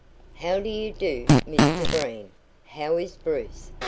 "How do you do, Mr Breen? How is Bruce?